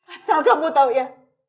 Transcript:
asal kamu tahu ya